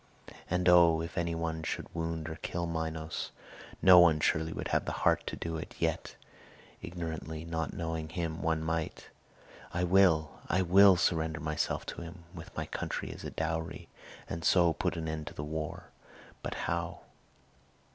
And O if any one should wound or kill Minos! No one surely would have the heart to do it; yet ignorantly, not knowing him, one might. I will, I will surrender myself to him, with my country as a dowry, and so put an end to the war. But how?